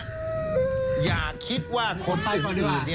อย่าคิดว่าคนอื่น